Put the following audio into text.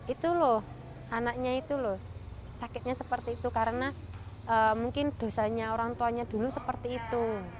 itu loh anaknya itu loh sakitnya seperti itu karena mungkin dosanya orang tuanya dulu seperti itu